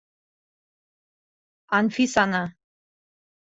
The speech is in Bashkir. Анфисаны.